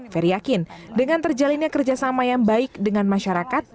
ferry yakin dengan terjalinnya kerjasama yang baik dengan masyarakat